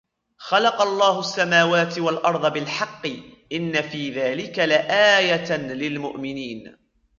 خلق الله السماوات والأرض بالحق إن في ذلك لآية للمؤمنين